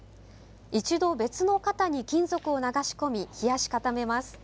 一度、別の型に金属を流し込み冷やし固めます。